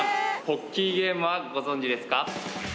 ポッキーゲームはご存じですか？